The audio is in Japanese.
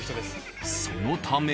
そのため。